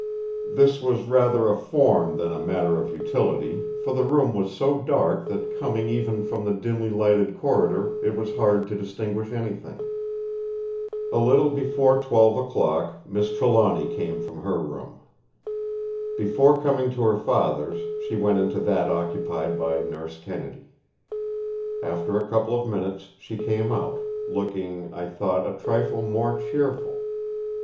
This was rather a form than a matter of utility, for the room was so dark that coming even from the dimly lighted corridor it was hard to distinguish anything. A little before twelve o'clock Miss Trelawny came from her room. Before coming to her father's she went into that occupied by Nurse Kennedy. After a couple of minutes she came out, looking, I thought, a trifle more cheerful.